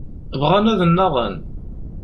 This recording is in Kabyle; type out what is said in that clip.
Bɣan ad nnaɣen.